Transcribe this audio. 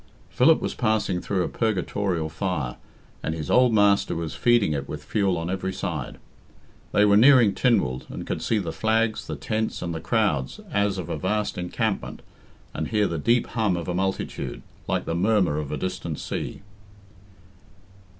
Philip was passing through a purgatorial fire, and his old master was feeding it with fuel on every side. They were nearing Tynwald, and could see the flags, the tents, and the crowd as of a vast encampment, and hear the deep hum of a multitude, like the murmur of a distant sea.